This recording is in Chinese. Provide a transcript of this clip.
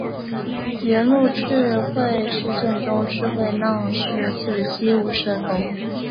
元禄赤穗事件中赤穗浪士四十七武士的头目。